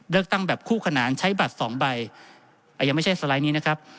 เลือกตั้งแบบคู่ขนานใช้บัตรสองใบยังไม่ใช่สไลด์นี้นะครับ